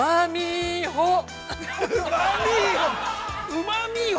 うまみほ。